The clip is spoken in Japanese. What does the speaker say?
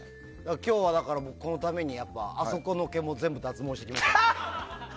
今日は、だからこのためにあそこの毛も全部脱毛してきました。